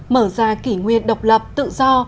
mở ra kỷ nguyện độc lập tự do